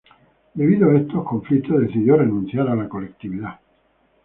Debido a estos conflictos decidió renunciar a la colectividad.